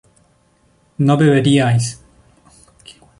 no beberíais